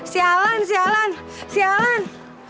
sialan sialan sialan